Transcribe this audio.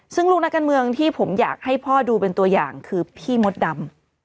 ซึ่งลูกนักการเมืองที่ผมอยากให้พ่อดูเป็นตัวอย่างคือพี่มดดำ